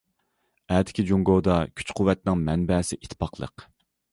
ئەتىكى جۇڭگودا كۈچ- قۇۋۋەتنىڭ مەنبەسى ئىتتىپاقلىق.